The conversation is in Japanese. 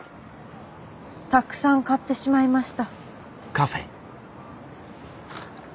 たくさん買ってしまいました。